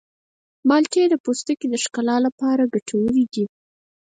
مالټې د پوستکي د ښکلا لپاره ګټورې دي.